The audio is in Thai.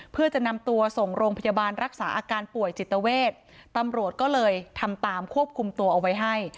เพื่อจะนำตัวส่งโรงพยาบาลรักษาอาการป่วยจิตเวทตำรวจก็เลยทำตามควบคุมตัวเอาไว้ให้